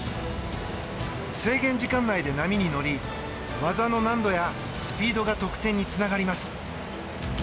制限時間内で波に乗り技の難度やスピードが得点につながります。